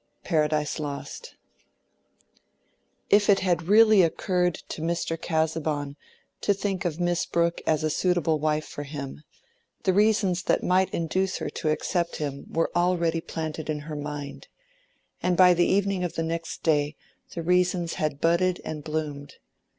—Paradise Lost, B. vii. If it had really occurred to Mr. Casaubon to think of Miss Brooke as a suitable wife for him, the reasons that might induce her to accept him were already planted in her mind, and by the evening of the next day the reasons had budded and bloomed.